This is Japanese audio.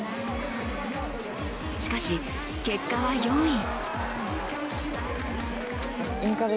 しかし、結果は４位。